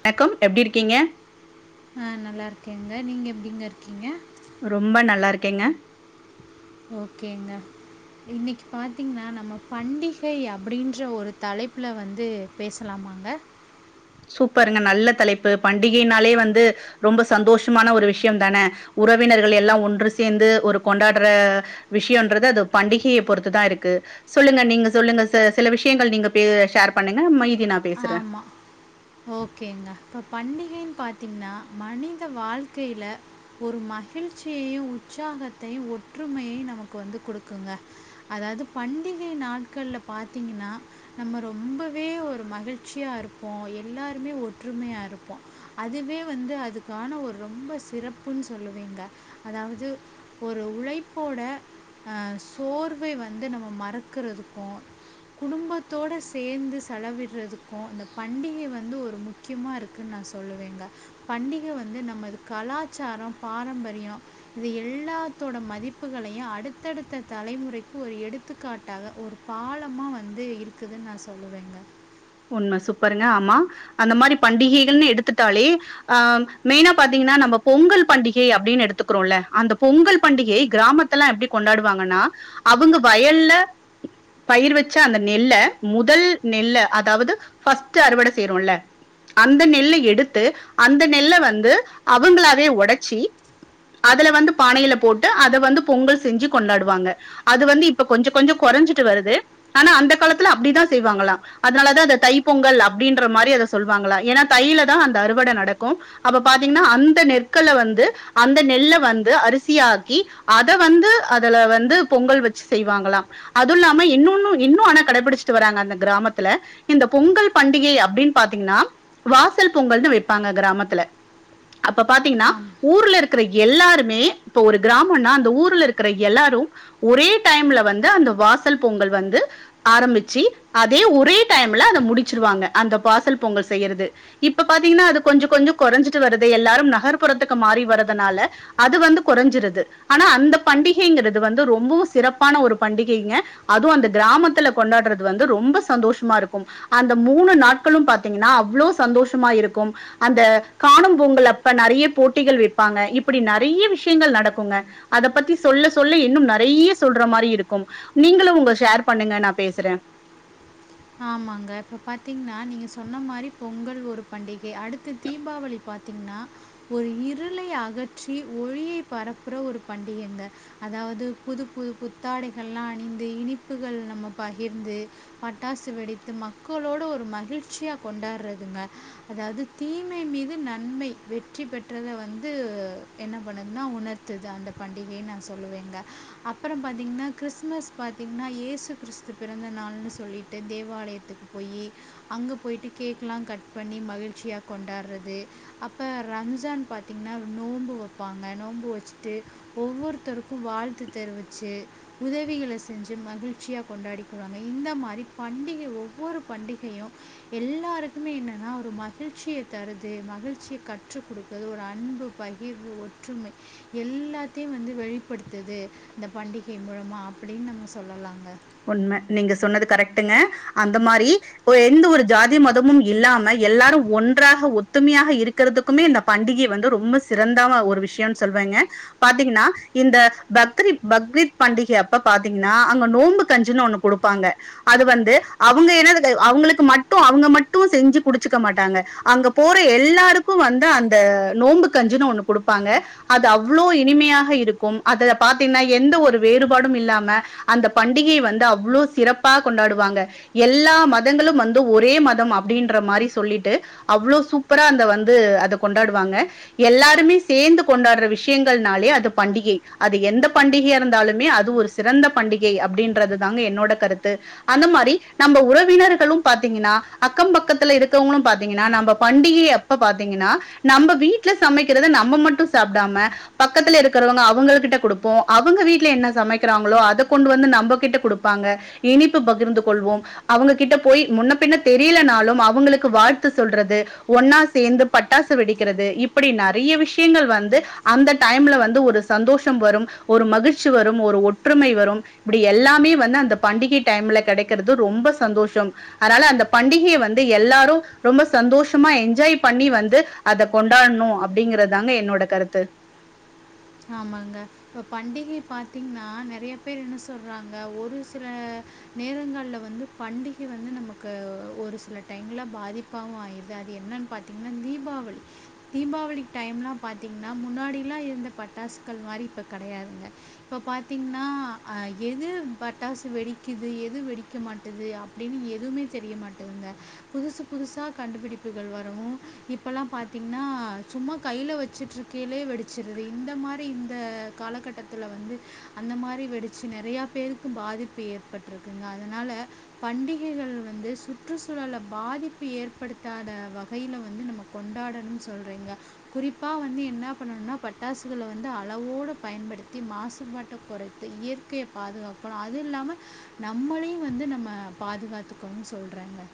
வணக்கம் எப்டி இருக்கீங்க ஆ நல்லா இருக்கேங்க நீங்க எப்டிங்க இருக்கீங்க ரொம்ப நல்லா இருக்கேங்க ஓகேங்க இன்னக்கி பாத்தீங்ன்னா நம்ம பண்டிகை அப்புடின்ற ஒரு தலைப்புல வந்து பேசலாமாங்க சூப்பருங்க நல்ல தலைப்பு பண்டிகைனாலே வந்து ரொம்ப சந்தோஷமான ஒரு விஷயம் தானே உறவினர்கள் எல்லா ஒன்று சேந்து ஒரு கொண்டாடுற விஷயோன்றது அது பண்டிகையை பொறுத்து தா இருக்கு சொல்லுங்க நீங்க சொல்லுங்க ச சில விஷயங்கள் நீங்க பே ஷேர் பண்ணுங்க மயிதிய நா பேசுறே ஆமா. ஓகேங்க இப்ப பண்டிகைன்னு பாத்தீங்கின்னா மனித வாழ்க்கையில ஒரு மகிழ்ச்சியையு உற்சாகத்தையு ஒற்றுமையையு நமக்கு வந்து குடுக்குங்க அதாவது பண்டிகை நாட்கள்ல பாத்தீங்கின்னா நம்ம ரொம்பவே ஒரு மகிழ்ச் ழ்ச்சியா இருப்போ எல்லாருமே ஒற்றுமையா இருப்போ அதுவே வந்து அதுக்கான ஒரு ரொம்ப சிறப்புன் சொல்லுவீங்க அதாவது ஒரு உழைப்போட அ சோர்வை வந்து நம்ம மறக்குறதுக்கு குடும்பத்தோட சேந்து செலவிட்றதுக் அ இந்த பண்டிகை வந்து ஒரு முக்கியமா இருக்குன் நா சொல்லுவேங்க பண்டிக வந்து நம்மது கலாச்சார பாரம்பரிய இது எல்லாத்தோட மதிப்புகளையு அடுத்தடுத்த தலைமுறைக்கு ஒரு எடுத்துக்காட்டாக ஒரு பாலமா வந்து இருக்குதுன் நா சொல்லுவேங்க உண்ம சூப்பருங்க ஆமா அந்த மாரி பண்டிகைகள்னு எடுத்துட்டாலே ஆ மெயினா பாத்தீங்கனா நம்ம பொங்கல் பண்டிகை அப்டினு எடுத்துக்கிறோல அந்த பொங்கல் பண்டிகை கிராமத் துலலா எப்டி கொண்டாடுவாங்கனா அவங்க வயல்ல பயிர் வச்ச அந்த நெல்ல முதல் நெல்ல அதாவது ஃபர்ஸ்ட்டு அறுவட செய்றோல்ல அந்த நெல்ல எடுத்து அந்த நெல்ல வந்து அவங்களாவே ஒடச்சி அதுல வந்து பானையில போட்டு அத வந்து பொங்கல் செஞ்சி கொண்டாடுவாங்க அது வந்து இப்ப கொஞ்ச கொஞ்ச கொறஞ்சிட்டு வருது ஆனா அந்த காலத்துல அப்டிதா செய்வாங்களா அதனாலதா அத தை பொங்கல் அப்டின்ற மாரி அத சொல்வாங்களா ஏனா தைலதா அந்த அறுவட நடக்கு அப்ப பாத்தீங்கன்னா அந்த நெற்கல வந்து அந்த நெல்ல வந்து அரிசியாக்கி அத வந்து அதுல வந்து பொங்கல் வச்சி செய்வாங்களா அது இல்லாம இன்னொன்னு இன்னு ஆனா கடபிடிச்சிட்டு வராங்க அந்த கிராமத் துல இந்த பொங்கல் பண்டிகை அப்டின் பாத்தீங்கனா வாசல் பொங்கல்னு வெப்பாங்க கிராமத்துல அப்ப பாத்தீங்கன்னா ஆமா. ஊர்ல இரு க்ற எல்லாருமே இப்ப ஒரு கிராமனா அந்த ஊருல இருக்குற எல்லாரு ஒரே டைம்ல வந்து அந்த வாசல் பொங்கல் வந்து ஆரம்பிச்சி அதே ஒ ரே டைம்ல அத முடிச்சிருவாங்க அந்த பாசல் பொங்கல் செய்யறது இப்ப பாத்தீங்கன்னா அது கொஞ்ச கொஞ்ச கொறஞ்சிட்டு வருது எல்லாரும் நகர் புறத்துக்கு மாறி வரதுனால அது வந்து கொறஞ்சிருது ஆனா அந்த பண்டிகைங்கிறது வந்து ரொம்பவு சிறப்பான ஒரு பண்டிகைங்க அதுவு அந்த கிராமத்துல கொண்டாடுறது வந்து சந்தோஷ மா இருக்கும் அந்த மூணு நாட்களு பாத்தீங்கனா அவ்ளோ சந்தோஷமா இருக்கும் அந்த காணும் பொங்கலப்ப நெறைய போட்டிகள் வெப்பாங்க இப்டி நெறைய விஷயங்கள் நடக்குங்க அத பத்தி சொல்ல சொல்ல இன்னும் நெறைய சொல்ற மாரி இருக்கும் நீங்களு ஒங்க ஷேர் பண்ணுங்க நா பேசறே ஆமாங்க இப்ப பாத்தீங்னா நீங்க சொன்ன மாரி பொங்கல் ஒரு பண்டிகை அடுத்து தீபாவளி பாத்தீங்னா ஒரு இருளை அகற்றி ஒழியை பரப்புற ஒரு பண்டிகைங்க அதாவது புது புது புத்தாடைகள்லா அணிந்து இனிப்புகள் நம்ம பகிர்ந்து டாசு வெடித்து மக்களோட ஒரு மகிழ்ச்சியா கொண்டாடுறதுங்க அதாது தீமை மீது நன்மை வெற்றி பெற்றத வந்து என்ன பண்ணுதுனா உணர்த்துது அந்த பண்டிகைன் நா சொல்லுவேங்க அப்றோ பாத்தீங்கன்னா கிறிஸ்மஸ் பாத்தீங்கன்னா ஏசு கிறிஸ்து பிறந்த நாள்ன்னு சொல்லிட் ட்டு தேவாலயத்துக்கு போயி அங்க பொயிட்டு கேக்லா கட் பண்ணி மகிழ்ச்சியா கொண்டாடுறது அப்ப ரம்ஜான் பாத்தீங்னா நோம்பு வப்பாங்க நோம்பு வச்சிட்டு ஒவ்வொருத்தருக்கு வாழ்த்து தெரிவிச்சி உதவிகள செஞ்சி மகிழ்ச்சியா கொண்டாடிக்குவாங்க இந்த மாரி பண்டிக ஒவ்வொரு பண்டிகையு எல்லாருக்குமே என்னன்னா ஒரு மகிழ்ச்சிய தருது மகிழ்ச்சிய கற்றுக் குடுக்குது ஒரு அன்பும் பகிர்வு ஒற்றுமை எல்லாத்தியும் வந்து வெளிப்படுத்துது இந்த பண்டிகை மூலமா அப்டின் நம்ம சொல்லலாங்க உண்ம நீங்க சொன்னது கரெக்டுங்க அந்த மாரி ஒ எந்த ஒரு ஜாதி மதமும் இல்லாம எல்லாரு ஒன்றாக ஒத்துமையாக இருக் கிறதுக்குமே இந்த பண்டிகை வந்து ரொம்ப சிறந்தாவா ஒரு விஷ்யனு சொல்வேங்க பாத்தீங்கனா இந்த பக்ரித் பக்ரித் பண்டிகை அப்ப பாத்தீங்கன்னா அங்க நோம்புக் கஞ்சின்னு ஒண்ணு குடுப்பாங்க அது வந்து அவுங்க இனது அவுங்களுக்கு மட்டு அவுங்க மட்டு செஞ்சு குடிச்சுக்க மாட்டாங்க அங்கப் போற எல்லாருக்கு வந்து அந்த நோம்பு கஞ்சுனு ஒண்ணு குடுப்பாங்க அது அவ்வளோ இனிமையாக இருக்கு அத பாத்தீங்னா எந்த ஒரு வேறுபாடு இல்லாம அந்த பண் டிகை வந்து அவ்ளோ சிறப்பா கொண்டாடுவாங்க எல்லா மதங்களு வந்து ஒரே மதம் அப்டீன்ற மாரி சொல்லிட்டு அவ்ளோ சூப்பரா அந்த வந்து அத கொண்டாடுவாங்க எல்லாருமே சேந்து கொண்டாடுற விஷ்யங்கள்னாலே அது பண்டிகை அது எந்த பண்டிகையா இருந்தாலுமே அது ஒரு சிறந்த பண்டிகை அப்டின்றது தாங்க என்னோட கருத்து அந்த மாரி நம்ப உறவினர்களு பாத்தீங்கின்னா அக்க பக்கத்துல இருக்கவுங்களு பாத்தீங்கின்னா நம்ப பண்டிகை இப்ப பாத்தீங்கின்னா நம்ப வீட்டுல சமைக்கிறத நம்ப மட்டு சாப்ட்டாம பக்கத்து இருக்குறவுங்க அவுங்க கிட்ட குடுப்போ அவுங்க வீட்டில என்ன சமைக்கிறாங்களோ அத கொண்டு வந்து நம் ப கிட்ட குடுப்பாங்க இனிப்பு பகிர்ந்து கொள்வோ அவுங்ககிட்ட போய் முன்ன பின்ன தெரியிலனாலு அவுங்களுக்கு வாழ்த்து சொல்றது ஒன்னா சேந்து பட்டாசு வெடிக்கிறது இப்படி நெறைய விஷ்யங்கள் வந்து அந்த டைம்ல வந்து ஒரு சந்தோஷம் வரு ஒரு மகிழ்ச்சி வரு ஒரு ஒற்றுமை வரு இப்டி எல்லாமே வந்து அந்த பண்டிகை டைம்ல கெடைக்கிறது ரொம்ப சந்தோஷ அதால அந்த பண்டிகையை வந்து எல்லாரு ரொம்ப சந்தோஷமா என்ஜாய் பண்ணி வந்து அத கொண்டாடணு அப்டிங்கிறதாங்க என்னோட கருத்து ஆமாங்க இப்ப பண்டிகை பாத்தீங்கின்னா நெறைய பேர் என்ன சொல்றாங்க ஒரு சில நேரங்கால்ல வந்து பண்டிகை வந்து நமக்கு ஒரு சில டைம்ல பாதிப் பாவு ஆய்டுது அது என்னன்னு பாத்தீங்கன்னா தீபாவளி தீபாவளி டைம்ல்லா பாத்தீங்கின்னா முன்னாடி எல்லா இருந்த பட்டாசுகள் மாரி இப்ப கடையாதுங்க இப்ப பாத்தீங்கின்னா அ எது பட்டாசு வெடிக்குது எது வெடிக்க மாட்டது அப் டினு எதுவுமே தெரிய மாட்டேதுங்க புதுசு புதுசா கண்டுபிடிப்புகள் வரவு இப்பலா பாத்தீங்கின்னா சும்மா கையில வச்சிட்டு இருக்கிலே வெடிச்சிருது இந்த மாரி இந்த காலகட்டத்துல வந்து அந்த மாரி வெடிச்சு நெறைய பேருக்கு பாதிப்பு ஏற்பட்டிருக்குங்க அதனால பண்டிகைகள் வந்து சுற்றுச்சூழல பாதிப்பு ஏற்படுத்தாத வகையில வந்து கொண்டாடணுனு சொல்றீங்க குறிப்பா வந்து என்னா பண்ணணுனா பட் டாசுகள வந்து அளவோடு பயன்படுத்தி மாசுபாட்ட குறைத்து இயற்கைய பாதுகாக்கணு அது இல்லாம நம்மளையு வந்து நம்ம பாதுகாத்துக்கோனு சொல்றேங்க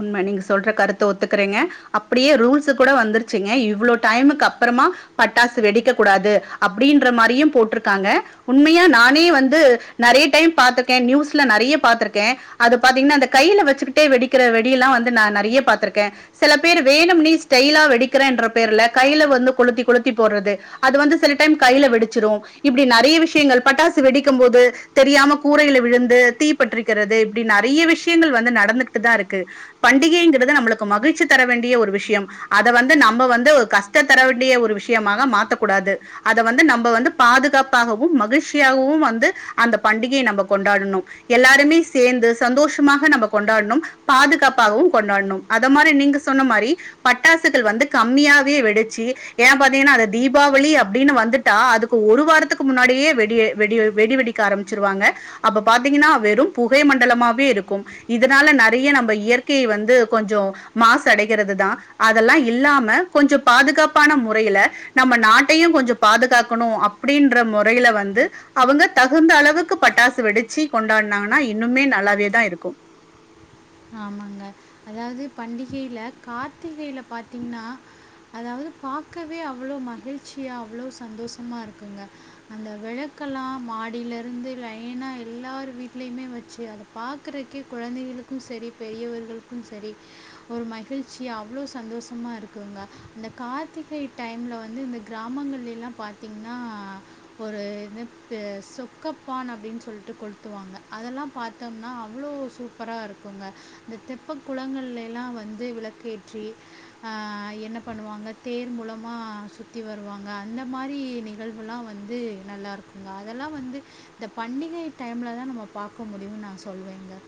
உண்ம நீங்க சொல்ற கருத்த ஒத்துக்கிறேங்க அப்டியே ரூல்ஸ்ஸு கூட வந்துருச்சிங்க இவ்ளோ டைமுக்கு அப்பறமா பட்டாசு வெடிக்க கூடாது அப்டின்ற மாரியு போட்ருக்காங்க உண்மையா நானே வந்து நெறைய டைம் பாத்திருக்கே நியூஸ்ல நெறைய பாத்திருக்கே அது பாத்திகின்னா அந்த கையில வச்சுக்கிட்டே வெடிக்கிற வெடி எல்லா வந்து நா நெறைய பாத்திருக்கே செல பேர் வேணும்னே ஸ்டைலா வெடிக்கின்ற பேர்ல கையில வந்து கொளுத்தி கொளுத்தி போட்றது அது வந்து சில டைம் கையில வெடிச்சிரு இப்டி நெறைய விஷ்யங்கள் பட்டாசு வெடிக்கு போது தெரியாம கூரையில விழுந்து தீப்பற்றிருக்கிறது இப்டி நெறைய விஷ்யங்கள் வந்து நடந்துகிட்டு தா இருக்கு பண்டிகைங்கிறது நம்பளுக்கு மகிழ்ச்சி தர வேண்டிய ஒரு விஷ்யம் அத வந்து நம்ப வந்து ஒரு கஷ்ட தர வேண்டிய ஒரு விஷ்யமாக மாத்த கூடாது அத வந்து நம்ப வந்து பாதுக்காப்பாகவு மகிழ்ச்சியாகவு வந்து அந்த பண்டிகை நம்ப கொண்டாடணு எல்லாருமே சேந்து சந்தோஷமாக நம்ப கொண்டாடணு பாதுகாப்பாகவு கொண்டாடணு அத மாரி நீங்க சொன்ன மாரி பட்டாசுகள் வந்து கம்மியாவே வெடிச்சி ஏனா பாத்தீங்கின்னா அது தீபாவளி அப்பிடின் வந்துட் டா அதுக்கு ஒரு வாரத்துக்கு முன்னாடியே வெடிய வெடி வெடி வெடிக்க ஆரம்பிச்சிருவாங்க அப்ப பாத்தீங்கின்னா வெறு புகை மண்டலமாவே இருக்கு இதனால நெற ய நம்ப இயற்கைய வந்து கொஞ்சோ மாசு அடைகிறது தா அதெல்லா இல்லாம கொஞ்சோ பாதுகாப்பான முறையில நம்ம நாட்டையு கொஞ்சோ பாதுகாக்கணு அப்பிடின்ற முறையில வந்து அவுங்க தகுந்த அளவுக்கு பட்டாசு வெடிச்சி கொண்டாடுனாங்கன்னா இன்னுமே நல்லாவே தாருக்கு ஆமாங்க அதாவது பண்டிகைல கார்த்திகைல பாத்தீங்ன்னா அதாவது பாக்கவே அவ்ளோ மகிழ்ச்சியா அவ்ளோ சந்தோஷமாருக்குங்க அந்த வெளக்கெல்லா மாடியிலருந்து லைனா எல்லாரு வீட்லயுமே வச்சு அத பாக்குறக்கே கொழந்தைகளுக்கு செரி பெரியவர்களுக்கு செரி ஒரு மகிழ்ச்சியா அவ்ளோ சந்தோஷமாருக்குங்க இந்த கார்த்திகை டைம்ல வந்து இந்த கிராமங்கள்லா பாத்திங்ன்னா ஒரு இது ப்பு சொக்கப்பான அப்டின்னு சொல்ட்டு கொளுத்துவாங்க அதெல்லா பாத் தம்னா அவ்ளோ சூப்பராருக்கு ங்க இந்த தெப்ப குளங்கள்ல எல்லா வந்து விளக்கேற்றி ஆ என்ன பண்ணுவாங்க தேர் மூலமா சுத்தி வருவாங்க அந்த மாரி நிகழ்வெலா வந்து நல்லாருக்குங்க அதெல்லா வந்து இந்த பண்டிகை டைம்ல தா நம்ம பாக்க முடியும்னு நா சொல்வேங்க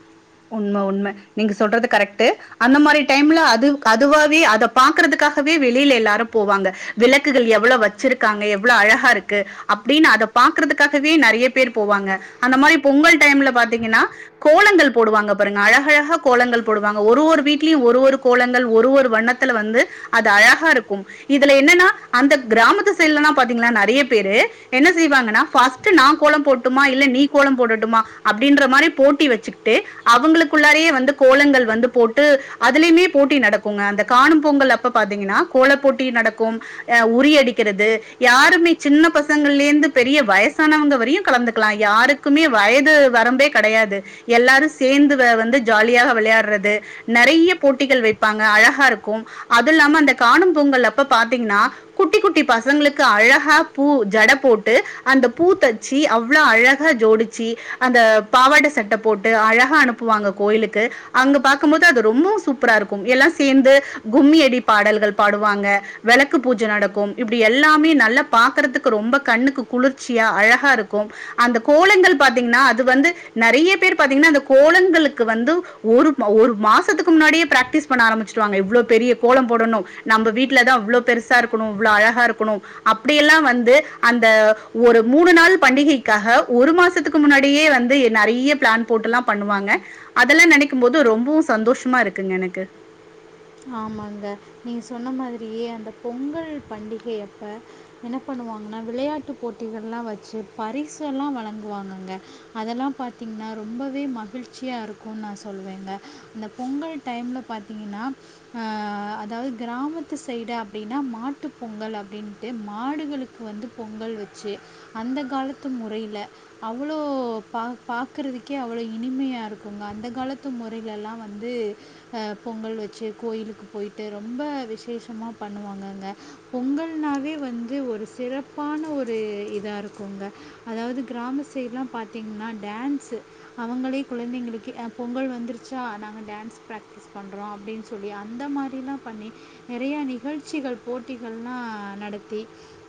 உண்ம உண்ம நீங்க சொல்றது கரெக்டு அந்த மாறி டைம்ல அதுக்கதுவாவே அத பாக்குறதுக்காகவே வெளில எல்லாரு போவாங்க விளக்குகள் எவ்ளோ வச்சிருக்காங்க எவ்ளோ அழகாருக்கு அப்படின்னு அத பாக்குறதுக்காகவே நெறைய பேர் போவாங்க அந்த மாறி பொங்கல் டைம்ல பாத்தீங்கன்னா கோலங்கள் போடுவாங்க பாருங்க அழகழக கோலங்கள் போடுவாங்க ஒரு ஒரு வீட்லயு ஒரு ஒரு கோலங்கள் ஒரு வண்ணத்தில வந்து அது அழகாருக்கு இதுல என்னன்னா அந்த கிராமத்து சைடலலா பாத்தீங்கன்னா நெறைய பேரு என்ன செய்வாங்கன்னா ஃபஸ் ட்டு நா கோலம் போடட்டுமா இல்ல நீ கோலம் போடட்டுமா அப்டின்ற மாறி போட்டி வச்சு ட்டு அவங்களுக்குள்ளாரே வந்து கோலங்கள் வந்து போட்டு அதுலயுமே போட்டி நடக்கு ங்க அந்த காணும் பொங்கல் அப்ப பாத்தீங்கன்னா கோல போட்டி நடக்கும் அ உறி அடிக்கிறது யாருமே சின்ன பசங்கள்லேருந்து பெரிய வயசானவங்க வரையு கலந்துக்கலா யாருக் க்குமே வயது வரம்பே கெடையாது எல்லாரு சேந்து வ வந்து ஜாலியாக வெளையாட்றது நெறைய போட்டிகள் வைப்பாங்க அழகாருக்கும் அது இல்லாம அந்த காணும் பொங்கல் அப்ப பாத்தீங்கன்னா குட்டி குட்டி பசங்களுக்கு அழகா பூ ஜட போட்டு அந்த பூ தச்சு அவ்ளோ அழகா ஜோடுச் சி அந்த பாவாட சட்ட போட்டு அழகா அனுப்புவாங்க கோயிலுக்கு அங்க பாக்கும்போது அது ரொம்ப சூப்பராருக்கும் எல்லாம் சேர்ந்து கும்மி அடி பாடல்கள் பாடுவாங்க விளக்கு பூஜ நடக்கும் இப்டி எல்லாமே நல்லா பாக்குறதுக்கு ரொம்ப கண்ணுக்கு குளிர்ச்சியா அழகா இருக்கும் அந்த கோலங்கள் பாத்தீங்கன்னா அது வந்து நெறைய பேர் பாத்தீங்கன்னா அந்த கோலங்களுக்கு வந்து ஒரு ஒரு மாசத்துக்கு முன்னாடியே பிராக்டிஸ் பண்ண ஆரம்பிச்சு வாங்க இவ்ளோ பெரிய கோலம் போடணு நம்ம வீட்டுல தா அவ்ளோ பெருசா இருக்கணு இவ்ளோ அழகா இருக்கணு அப்டியெல்லா வந்து அந்த ஒரு மூணு நாள் பண்டிகைக்காக ஒரு மா சத்துக்கு முன்னாடியே வந்து நெறைய பிளான் போட்டெல்லா பண்ணுவாங்க அதெல்லா நெனைக்கும் போது ரொம்பவும் சந்தோஷமா இருக்குங்க எனக்கு ஆமாங்க நீங்க சொன்ன மாதிரியே அந்தப் பொங்கல் பண்டிகையப்ப என்னப் பண்ணுவாங்கனா விளையாட்டுப் போட்டிகள்லா வச்சு பரிசெல்லா வழங்குவாங்கங்க அதெல்லாம் பாத்தீங்னா ரொம்பவே மகிழ்ச்சியா இருக்குன் நா சொல்வேங்க இந்தப் பொங்கல்ட் டைம்ல பாத்திங்கின்னா அ அதாவ் கிராமத்து சைடு அப்டினா மாட்டுப் பொங்கல் அப்டின்ட்டு மாடுகளுக் கு வந்துப் பொங்கல் வெச்சு அந்த காலத்து முறையில அவ்ளோ பாக் பாக்கறதுக்கே அவ்ளோ இனிமையா இருக்குங்க அந்த காலத்து முறையிலெல்லா வந்து அ பொங்கல் வெச்சு கோயிலுக்குப் போயிட்டு ரொம்ப விசேஷமாப் பண்ணுவாங்கங்க பொங்கல்னாவே வந்து ஒரு சிறப்பான ஒரு இதா இருக்குங்க அதாவ்து கிராம சைட்லாம் பாத்தீங்னா டான்ஸு அவங்களே குழந்தைங்களுக்கு அ பொங்கல் வந்துருச்சா நாங்க டான்ஸ் பிராக்டிஸ் பண்றோ அப்டின் சொல்லி அந்த மாரிலாம் பண்ணி நெறைய நிகழ்ச்சிகள் போட்டிகள்லா நடத்தி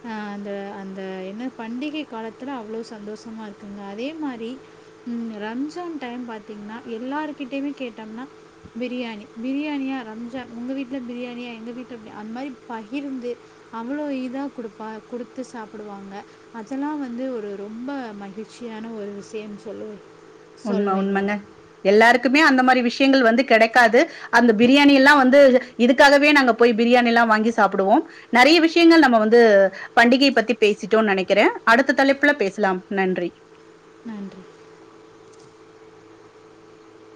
அ அந்த அந்த என்ன பண்டிகை காலத்துல அவ்ளோ சந்தோஷமா இருக்குங்க அதே மாரி ம் ரம்ஜான் டைம் பாத்தீங்னா எல்லாருகிட்டியுமே கேட்டம்னா பிரியாணி பிரி யாணியா ரம்ஜா உங்க வீட்ல பிரியாணியா எங்க வீட்ல பி அந் மாரி பகிர்ந்து அவ்ளோ இதாக் குடுப்பா குடுத்து சாப்புடுவாங்க அதெல்லா வந்து ஒரு ரொம்ப மகிழ்ச்சியான ஒரு விஷியன் சொல்லுவே உண்ம உண்மங்க எல்லாருக்குமே அந்த மாரி விஷ்யங்கள் வந்து கெடக்காது அந்த பிரியாணியெல்லா வந்து இதுக்காகவே நாங்கப் போய் பிரியாணியெல்லா வாங்கி சாப்புடுவோம் நெறைய விஷ்யங்கள் நம்ம வந்து பண்டிகைய பத்தி பேசிட்டோன் நெனைக்கிறே அடுத்த தலைப்புல பேசலாம் நன்றி நன்றி